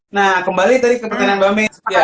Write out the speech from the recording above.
nah kembali tadi ke pertanyaan mbak mei